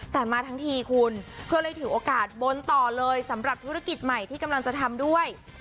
แต่มาทั้งทีคุณก็เลยถือโอกาสบนต่อเลยสำหรับธุรกิจใหม่ที่กำลังจะทำด้วย